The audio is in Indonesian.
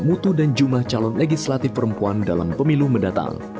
mutu dan jumlah calon legislatif perempuan dalam pemilu mendatang